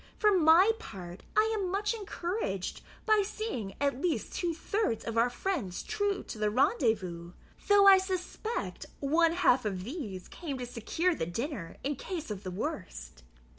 For my part, I am much encouraged by seeing at least two thirds of our friends true to the rendezvous, though I suspect one half of these came to secure the dinner in case of the worst."